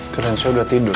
keren saya udah tidur